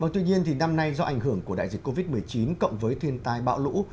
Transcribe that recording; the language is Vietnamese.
tuy nhiên năm nay do ảnh hưởng của đại dịch covid một mươi chín cộng với thiên tai bão lũ